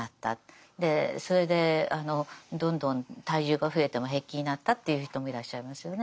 それでどんどん体重が増えても平気になったっていう人もいらっしゃいますよね。